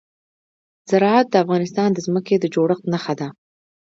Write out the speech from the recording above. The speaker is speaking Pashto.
زراعت د افغانستان د ځمکې د جوړښت نښه ده.